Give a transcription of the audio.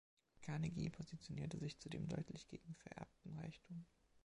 Carnegie positionierte sich zudem deutlich gegen vererbten Reichtum.